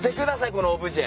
このオブジェ。